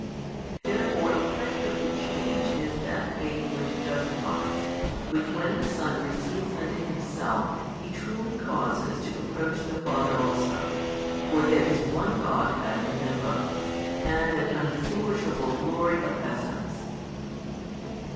Therefore a type of the change is that faith which justifies, which when the Son receives unto Himself He truly causes to approach the Father also, for there is One Godhead in Them Both, and an undistinguishable glory of Essence.